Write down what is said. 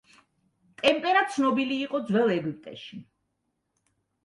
ტემპერა ცნობილი იყო ძველ ეგვიპტეში.